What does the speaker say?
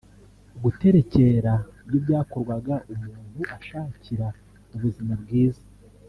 Guterekera byo byakorwaga umuntu ashakira ubuzima bwiza